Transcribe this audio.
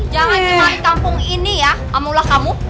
jangan jemari kampung ini ya ama ulah kamu